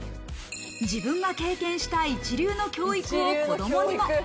自分が経験した一流の教育を子供にも。